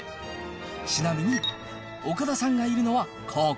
ちなみに岡田さんがいるのは、ここ。